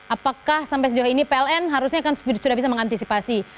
apakah sampai sejauh ini pln harusnya sudah bisa mengantisipasi